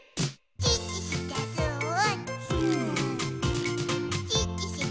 「チッチしてスー」ス